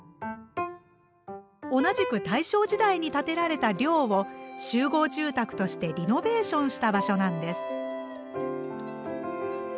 同じく大正時代に建てられた寮を集合住宅としてリノベーションした場所なんです。